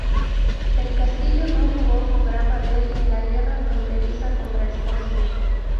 El castillo no jugó un gran papel en la guerra fronteriza contra Escocia.